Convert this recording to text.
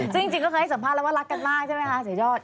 ซึ่งจริงก็เคยให้สัมภาษณ์แล้วว่ารักกันมากใช่ไหมคะเสียยอด